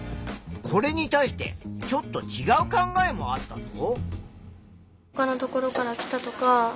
これに対してちょっとちがう考えもあったぞ。